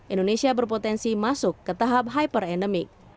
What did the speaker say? indonesia berpotensi masuk ke tahap hyperendemik